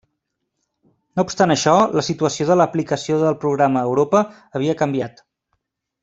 No obstant això, la situació de l'aplicació del programa Europa havia canviat.